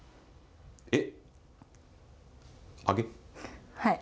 えっ？